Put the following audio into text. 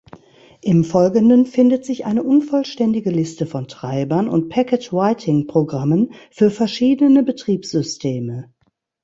Im Folgenden findet sich eine unvollständige Liste von Treibern und Packet-Writing-Programmen für verschiedene Betriebssysteme.